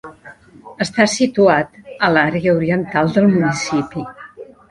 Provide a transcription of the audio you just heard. Està situat a l'àrea oriental del municipi.